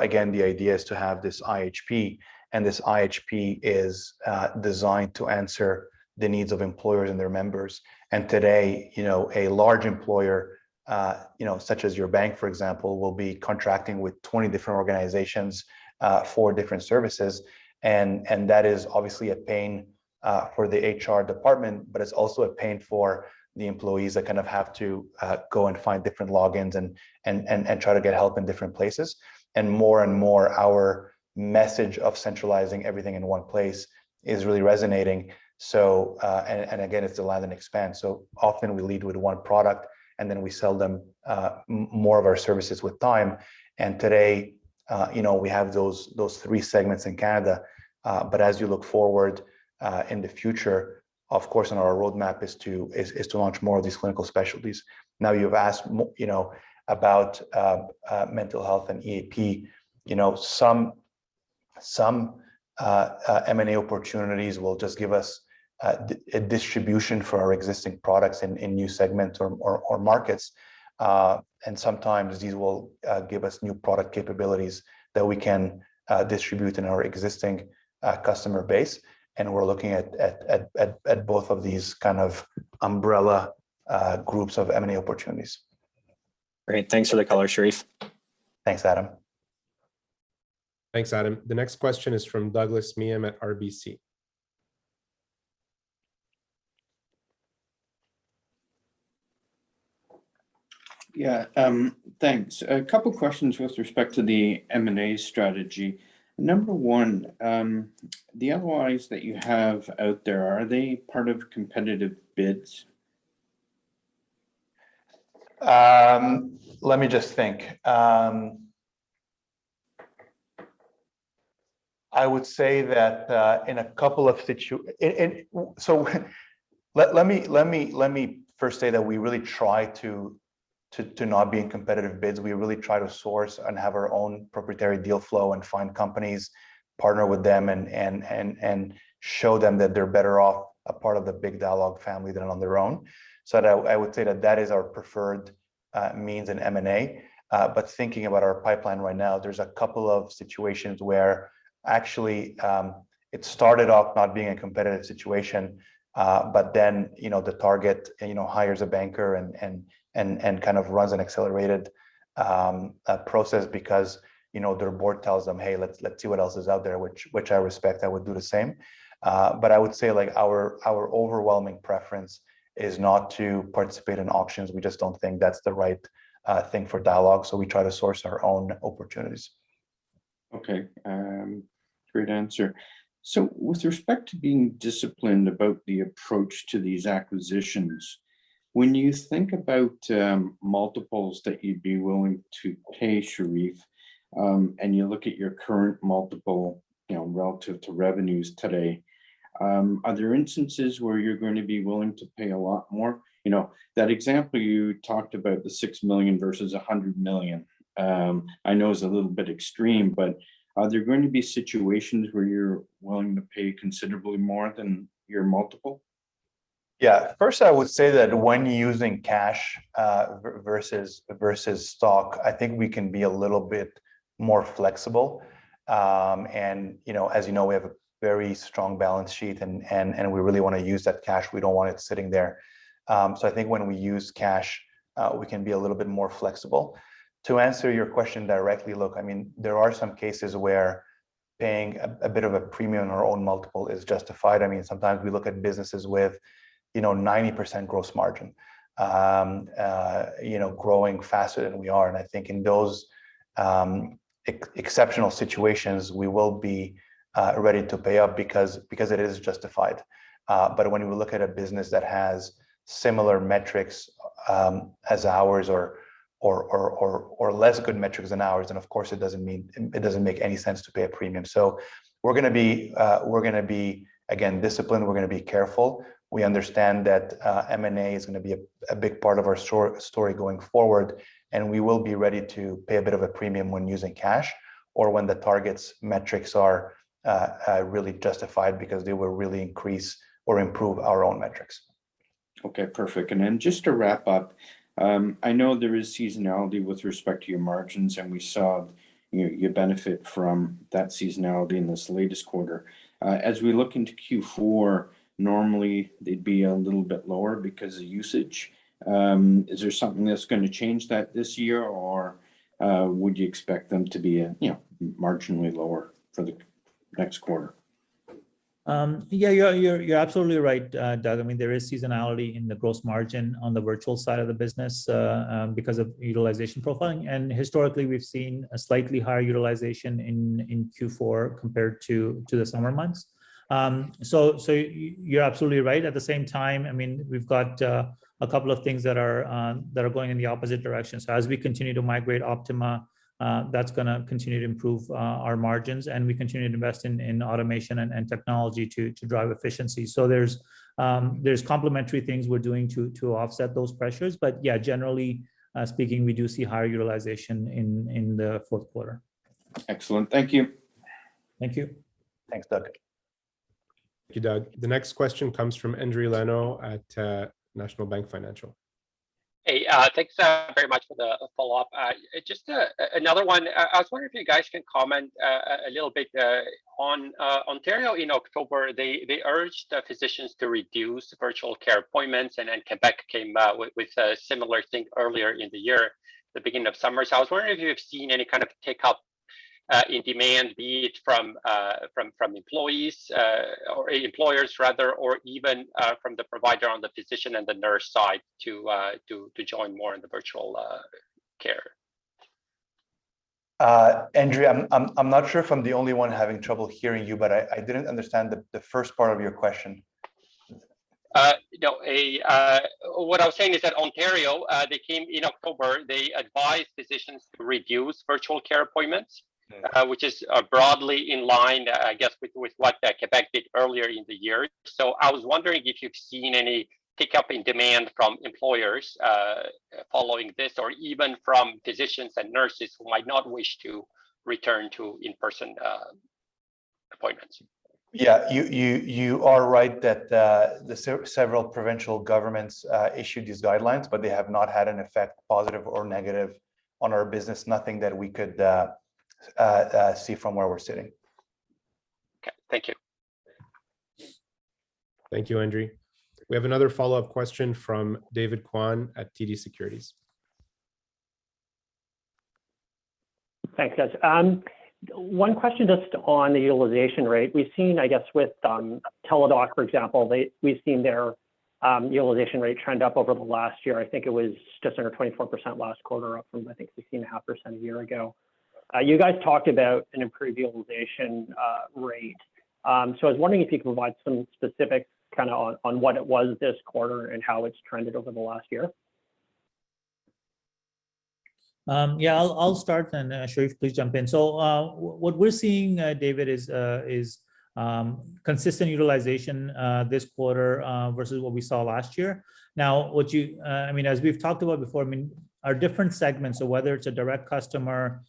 Again, the idea is to have this IHP, and this IHP is designed to answer the needs of employers and their members. Today, you know, a large employer, you know, such as your bank, for example, will be contracting with 20 different organizations for different services. That is obviously a pain for the HR department, but it's also a pain for the employees that kind of have to go and find different logins and try to get help in different places. More and more our message of centralizing everything in one place is really resonating. Again, it's the land and expand. Often we lead with one product, and then we sell them more of our services with time. Today we have those three segments in Canada. But as you look forward in the future, of course in our roadmap is to launch more of these clinical specialties. Now you've asked about mental health and EAP. Some M&A opportunities will just give us a distribution for our existing products in new segments or markets. Sometimes these will give us new product capabilities that we can distribute in our existing customer base, and we're looking at both of these kind of umbrella groups of M&A opportunities. Great. Thanks for the color, Cherif. Thanks, Adam. Thanks, Adam. The next question is from Adam Buckham at RBC. Yeah, thanks. A couple questions with respect to the M&A strategy. Number one, the ROIs that you have out there, are they part of competitive bids? Let me just think. Let me first say that we really try to not be in competitive bids. We really try to source and have our own proprietary deal flow and find companies, partner with them, and show them that they're better off a part of the big Dialogue family than on their own. That I would say is our preferred means in M&A. Thinking about our pipeline right now, there's a couple of situations where actually it started off not being a competitive situation, but then, you know, the target, you know, hires a banker and kind of runs an accelerated process because, you know, their board tells them, "Hey, let's see what else is out there," which I respect. I would do the same. I would say, like, our overwhelming preference is not to participate in auctions. We just don't think that's the right thing for Dialogue, so we try to source our own opportunities. Okay. Great answer. With respect to being disciplined about the approach to these acquisitions, when you think about multiples that you'd be willing to pay, Cherif, and you look at your current multiple, you know, relative to revenues today, are there instances where you're going to be willing to pay a lot more? You know, that example you talked about, the 6 million versus a 100 million, I know is a little bit extreme, but are there going to be situations where you're willing to pay considerably more than your multiple? Yeah. First, I would say that when using cash versus stock, I think we can be a little bit more flexible. You know, as you know, we have a very strong balance sheet and we really wanna use that cash. We don't want it sitting there. I think when we use cash, we can be a little bit more flexible. To answer your question directly, look, I mean, there are some cases where paying a bit of a premium on our own multiple is justified. I mean, sometimes we look at businesses with, you know, 90% gross margin, growing faster than we are. I think in those exceptional situations, we will be ready to pay up because it is justified. When we look at a business that has similar metrics as ours or less good metrics than ours, then of course it doesn't make any sense to pay a premium. We're gonna be again disciplined. We're gonna be careful. We understand that M&A is gonna be a big part of our story going forward, and we will be ready to pay a bit of a premium when using cash or when the target's metrics are really justified because they will really increase or improve our own metrics. Okay. Perfect. Just to wrap up, I know there is seasonality with respect to your margins, and we saw you benefit from that seasonality in this latest quarter. As we look into Q4, normally they'd be a little bit lower because of usage. Is there something that's gonna change that this year, or would you expect them to be, you know, marginally lower for the next quarter? Yeah, you're absolutely right, Doug. I mean, there is seasonality in the gross margin on the virtual side of the business because of utilization profiling. Historically we've seen a slightly higher utilization in Q4 compared to the summer months. You're absolutely right. At the same time, I mean, we've got a couple of things that are going in the opposite direction. As we continue to migrate Optima, that's gonna continue to improve our margins, and we continue to invest in automation and technology to drive efficiency. There's complementary things we're doing to offset those pressures. Yeah, generally speaking, we do see higher utilization in the fourth quarter. Excellent. Thank you. Thank you. Thanks, Doug. Thank you, Doug. The next question comes from Endri Leno at National Bank Financial. Hey, thanks very much for the follow-up. Just another one. I was wondering if you guys can comment a little bit on Ontario in October. They urged physicians to reduce virtual care appointments, and then Quebec came with a similar thing earlier in the year at the beginning of summer. I was wondering if you have seen any kind of pickup in demand, be it from employees or employers rather, or even from the provider on the physician and the nurse side to join more in the virtual care. Andrew, I'm not sure if I'm the only one having trouble hearing you, but I didn't understand the first part of your question. You know, what I was saying is that in Ontario, they came in October, they advised physicians to reduce virtual care appointments. Mm-hmm. Which is broadly in line, I guess, with what Quebec did earlier in the year. I was wondering if you've seen any pickup in demand from employers, following this or even from physicians and nurses who might not wish to return to in-person appointments. Yeah. You are right that several provincial governments issued these guidelines, but they have not had an effect, positive or negative, on our business. Nothing that we could see from where we're sitting. Okay. Thank you. Thank you, Endri. We have another follow-up question from David Kwan at TD Securities. Thanks, guys. One question just on the utilization rate. We've seen, I guess, with Teladoc, for example, their utilization rate trend up over the last year. I think it was just under 24% last quarter, up from, I think, 16.5% a year ago. You guys talked about an improved utilization rate. I was wondering if you could provide some specifics kinda on what it was this quarter and how it's trended over the last year. Yeah, I'll start then, Cherif, please jump in. What we're seeing, David, is consistent utilization this quarter versus what we saw last year. Now, I mean, as we've talked about before, I mean, our different segments of whether it's a direct customer,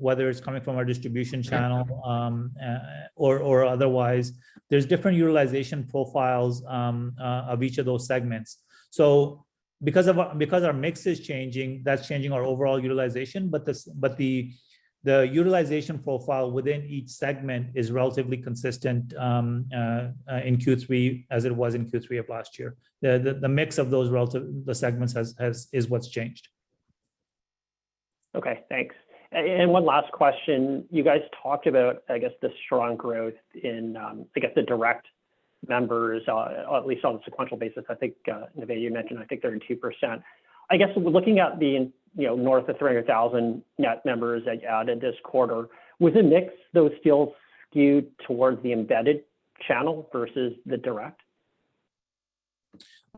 whether it's coming from our distribution channel, or otherwise, there's different utilization profiles of each of those segments. Because our mix is changing, that's changing our overall utilization, but the utilization profile within each segment is relatively consistent in Q3 as it was in Q3 of last year. The mix of those relative to the segments is what's changed. Okay. Thanks. One last question. You guys talked about, I guess, the strong growth in, I guess, the direct members, at least on a sequential basis. I think, Navaid, you mentioned, I think, 32%. I guess when looking at the increase, you know, north of 300,000 net members that you added this quarter, was the mix though still skewed towards the embedded channel versus the direct?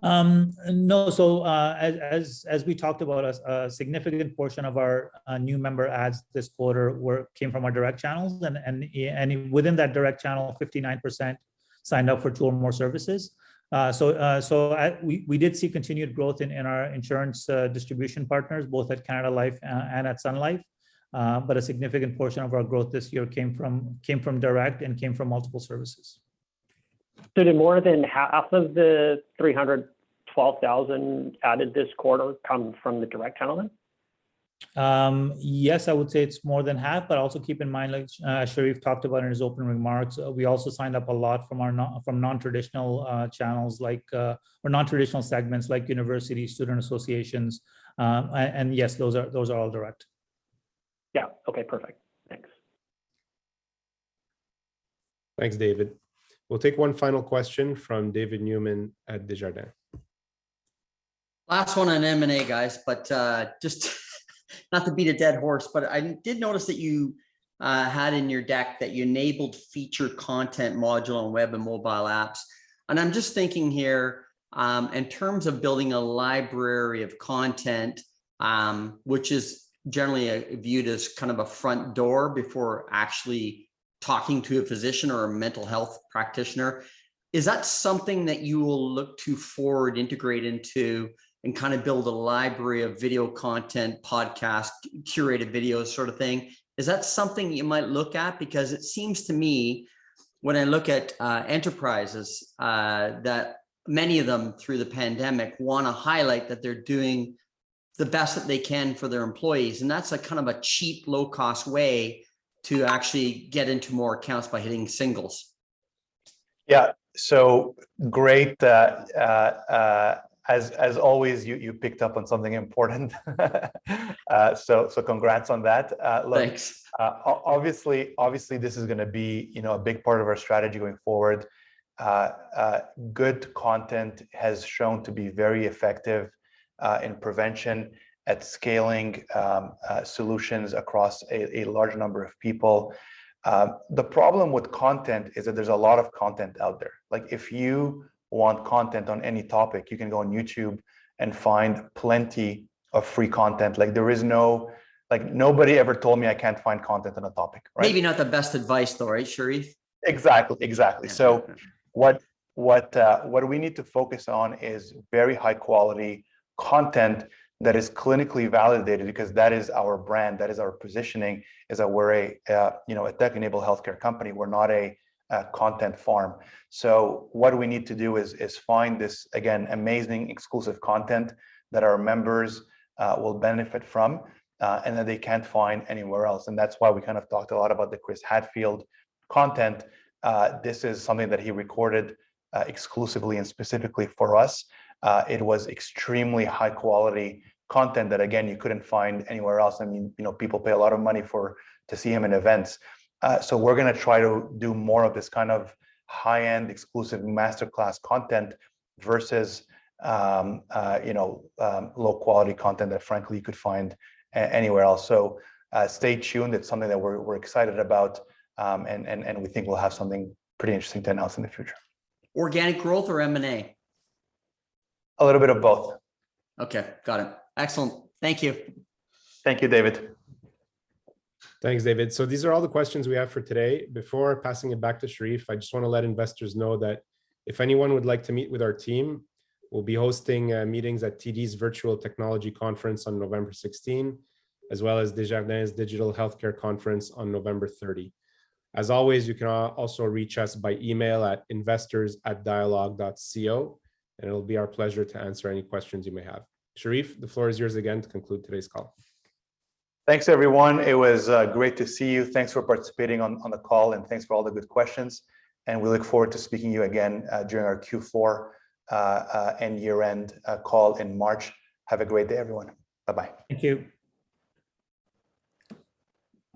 No. As we talked about, a significant portion of our new member adds this quarter came from our direct channels. And within that direct channel, 59% signed up for two or more services. We did see continued growth in our insurance distribution partners, both at Canada Life and at Sun Life. But a significant portion of our growth this year came from direct and came from multiple services. Did more than half of the 312,000 added this quarter come from the direct channel then? Yes, I would say it's more than half. Also keep in mind, like, Cherif talked about in his opening remarks, we also signed up a lot from our non-traditional channels like or non-traditional segments, like universities, student associations. Yes, those are all direct. Yeah. Okay, perfect. Thanks. Thanks, David. We'll take one final question from David Newman at Desjardins Capital Markets. Last one on M&A, guys. Just not to beat a dead horse, but I did notice that you had in your deck that you enabled featured content module on web and mobile apps. I'm just thinking here, in terms of building a library of content, which is generally viewed as kind of a front door before actually talking to a physician or a mental health practitioner. Is that something that you will look to forward integrate into and kinda build a library of video content, podcast, curated videos sorta thing? Is that something you might look at? Because it seems to me when I look at enterprises that many of them through the pandemic wanna highlight that they're doing the best that they can for their employees, and that's a kind of a cheap, low-cost way to actually get into more accounts by hitting singles. Yeah. Great, as always, you picked up on something important. Congrats on that. Look- Thanks Obviously this is gonna be, you know, a big part of our strategy going forward. Good content has shown to be very effective in preventing and scaling solutions across a large number of people. The problem with content is that there's a lot of content out there. Like, if you want content on any topic, you can go on YouTube and find plenty of free content. Like, there is no. Like, nobody ever told me I can't find content on a topic, right? Maybe not the best advice though, right, Cherif? Exactly. What we need to focus on is very high quality content that is clinically validated because that is our brand, that is our positioning, is that we're a, you know, a tech-enabled healthcare company. We're not a content farm. What we need to do is find this, again, amazing, exclusive content that our members will benefit from, and that they can't find anywhere else, and that's why we kind of talked a lot about the Chris Hadfield content. This is something that he recorded, exclusively and specifically for us. It was extremely high quality content that, again, you couldn't find anywhere else. I mean, you know, people pay a lot of money for, to see him in events. We're gonna try to do more of this kind of high-end, exclusive master class content versus, you know, low quality content that frankly you could find anywhere else. Stay tuned. It's something that we're excited about and we think we'll have something pretty interesting to announce in the future. Organic growth or M&A? A little bit of both. Okay. Got it. Excellent. Thank you. Thank you, David. Thanks, David. These are all the questions we have for today. Before passing it back to Cherif, I just wanna let investors know that if anyone would like to meet with our team, we'll be hosting meetings at TD's Virtual Technology Conference on November 16, as well as Desjardins Capital Markets' Digital Healthcare Conference on November 30. As always, you can also reach us by email at investors@dialogue.co, and it'll be our pleasure to answer any questions you may have. Cherif, the floor is yours again to conclude today's call. Thanks, everyone. It was great to see you. Thanks for participating on the call, and thanks for all the good questions, and we look forward to speaking to you again during our Q4 and year-end call in March. Have a great day, everyone. Bye-bye. Thank you.